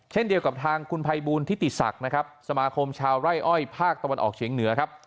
เช่นเดียวกับทางคุณภัยบูลทิติศักดิ์นะครับสมาคมชาวไร่อ้อยภาคตะวันออกเฉียงเหนือครับ